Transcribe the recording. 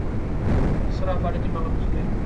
terserah pada timbanganmu sendiri